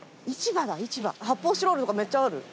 発泡スチロールとかめっちゃある。